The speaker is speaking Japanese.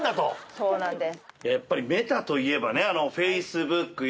そうなんです。